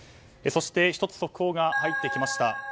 そして、１つ速報が入ってきました。